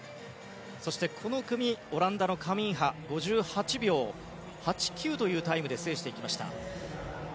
そしてこの組はオランダのカミンハが５８秒８９というタイムで制していきました。